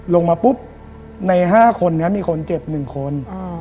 ลงมาปุ๊บใน๕คนนี้มีคนเจ็บ๑คน